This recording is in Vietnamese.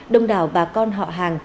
đông đảo bà con họ hàng